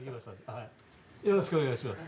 よろしくお願いします。